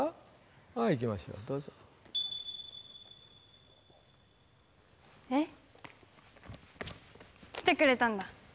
はいいきましょうどうぞえっ来てくれたんだ